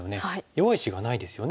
弱い石がないですよね。